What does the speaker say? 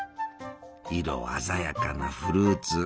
色鮮やかなフルーツ！